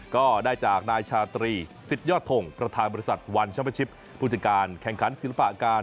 ก็ได้จากนายชาตรีสิทธิยอดทงประธานบริษัทวัญชมชิปผู้จัดการแข่งขันศิลปะการ